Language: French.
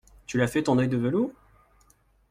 Tu lui as fait ton œil de velours ?